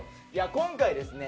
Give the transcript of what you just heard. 今回ですね